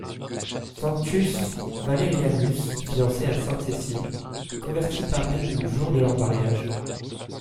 Sanctus Valerianus fiancé à Sainte Cécile, converti par elle le jour de leur mariage.